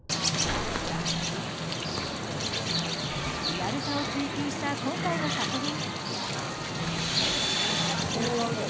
リアルさを追求した今回の作品。